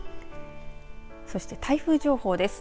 そして台風情報です。